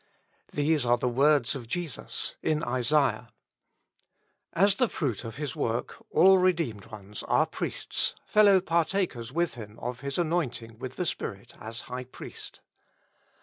These are the words of Jesus in Isaiah. As the fruit of His work all redeemed ones are priests, fellow partakers with Him of His anointing with the Spirit as High Priest.